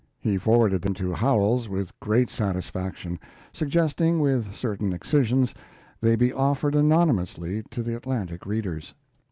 He forwarded them to Howells with great satisfaction, suggesting, with certain excisions, they be offered anonymously to the Atlantic readers.